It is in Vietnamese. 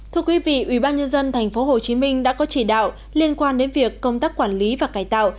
thưa quý vị ubnd tp hcm đã có chỉ đạo liên quan đến việc công tác quản lý và cải tạo